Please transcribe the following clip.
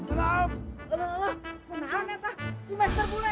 aloh aloh kenapa kata si masyar bule